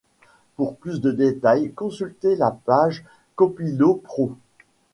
Pour plus de détails, consultez la page Copilot Pro®.